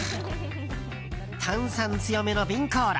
炭酸強めの瓶コーラ。